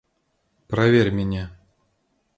Проверь меня.